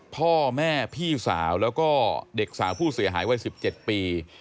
พ่อแม่พี่สาวแล้วก็เด็กสาวผู้เสียหายวัย๑๗ปี